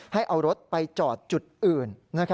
ให้เอารถไปจอดจุดอื่น